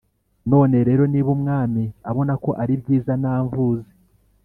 None rero niba umwami abona ko ari byiza namvuze